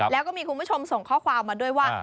แล้วก็มีคุณผู้ชมส่งข้อความมาด้วยว่า